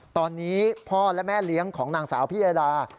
ตอนนี้พ่อและแม่เลี้ยงของนางสาวพิยดา